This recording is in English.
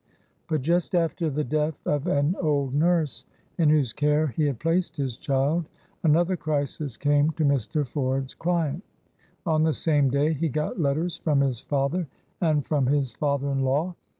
But just after the death of an old nurse, in whose care he had placed his child, another crisis came to Mr. Ford's client. On the same day he got letters from his father and from his father in law.